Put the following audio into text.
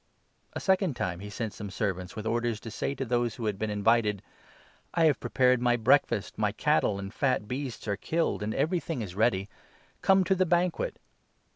A second time he 4 sent some servants, with orders to say to those who had been invited ' I have prepared my breakfast, my cattle and fat beasts are killed and everything is ready; come to the banquet.'